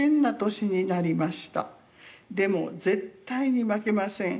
でも絶対に負けません。